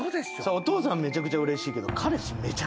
お父さんめちゃくちゃうれしいけど。